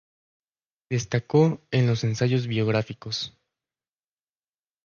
Destacó en los ensayos biográficos.